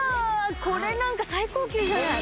これなんか最高級じゃないうわ